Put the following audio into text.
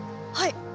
はい。